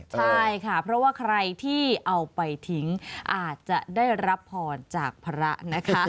ใช่ค่ะเพราะว่าใครที่เอาไปทิ้งอาจจะได้รับพรจากพระนะคะ